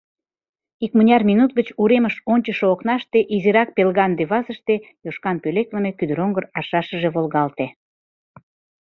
Икмыняр минут гыч уремыш ончышо окнаште изирак пелганде вазыште Йошкан пӧлеклыме кӱдыроҥгыр аршашыже волгалте.